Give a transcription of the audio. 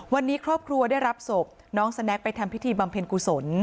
วันนี้ครอบครัวได้รับศพน้องสแน็กไปทำพิธีบำเพ็ญกุศล